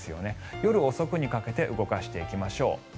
夜遅くにかけて動かしていきましょう。